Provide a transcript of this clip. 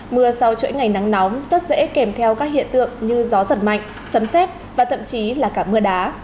mưa sau chuỗi ngày nắng nóng rất dễ kèm theo các hiện tượng như gió giật mạnh sấm xét và thậm chí là cả mưa đá